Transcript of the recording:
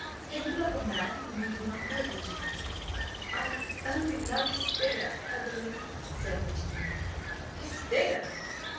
Can you love a man whom you do not know, Virginia?" "I only love his figure, I believe," said Virginia. "His figure!"